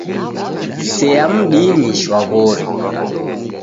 Sea mdinyi shwaw'ori!